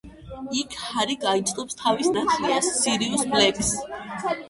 იქ ჰარი გაიცნობს თავის ნათლიას, სირიუს ბლეკს.